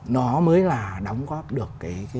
nó mới là đóng góp được